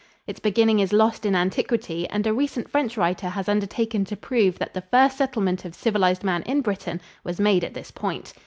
Its beginning is lost in antiquity, and a recent French writer has undertaken to prove that the first settlement of civilized man in Britain was made at this point.